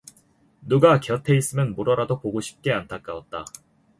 누가 곁에 있으면 물어라도 보고 싶게 안타까웠다.